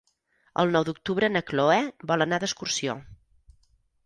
El nou d'octubre na Cloè vol anar d'excursió.